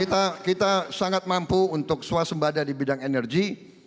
kita sangat mampu untuk swasembada di bidang energi